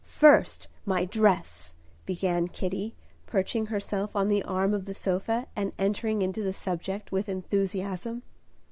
"First, my dress," began Kitty, perching herself on the arm of the sofa, and entering into the subject with enthusiasm.